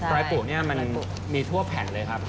รอยปู่มันมีทั่วแผนเลยครับ